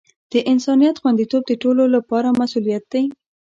د انسانیت خوندیتوب د ټولو لپاره مسؤولیت دی.